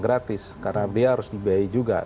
gratis karena dia harus dibiayai juga